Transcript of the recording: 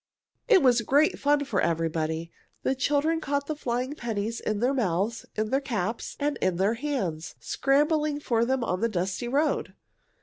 It was great fun for everybody. The children caught the flying pennies in their mouths, in their caps, and in their hands, scrambling for them on the dusty road.